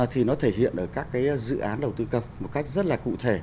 thì nó thể hiện ở các dự án đầu tư công một cách rất là cụ thể